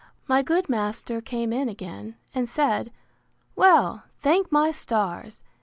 My good master came in again, and said, Well, thank my stars!